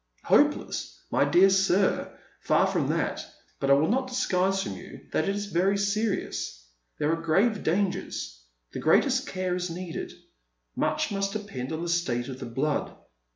" Hopeless, my dear sir ! far from that. But I will not disguise from you that it is very serious. There are grave dangers. The greatest care is needed. Much must depend on the state of the blood.